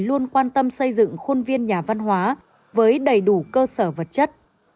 luôn quan tâm xây dựng khuôn viên nhà văn hóa với đầy đủ cơ sở vật chất